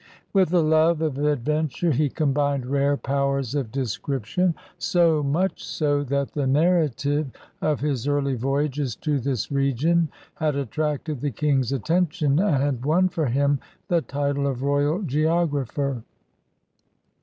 With a love of adventure he combined rare powers of description. 84 CRUSADERS OP NEW FRANCE so much so that the narrative of his early voyages to this region had attracted the King's attention and had won for him the title of royal geographer.